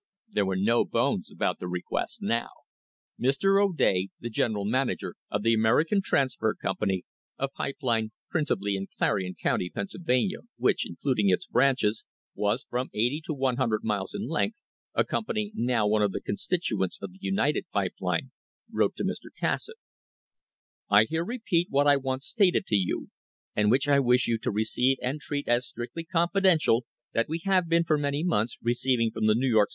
There were no bones about the request now. Mr. O'Day, the general manager of the Ameri can Transfer Company, a pipe line principally in Clarion County, Pennsylvania, which, including its branches, was from eighty to ioo miles in length, a company now one of the constituents of the United Pipe Line, wrote to Mr. Cassatt: " I here repeat what I once stated to you, and which I wish you to receive and treat as strictly confidential, that we have been for many months receiving from the New * See Appendix, Number 27.